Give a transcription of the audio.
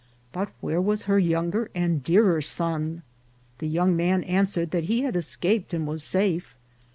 But where was her younger and dearer son ? The young man answered that he had escaped and was safe.